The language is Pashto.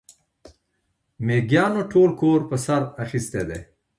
مېږيانو ټول کور پر سر اخيستی دی.